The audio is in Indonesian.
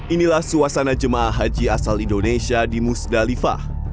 inilah suasana jemaah haji asal indonesia di musdalifah